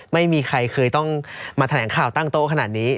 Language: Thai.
ไม่มีใครเคยต้องมาแถลงข่าวตั้งโต๊ะขนาดนี้